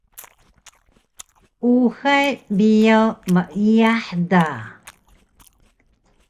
Uxay biyaw meiyah da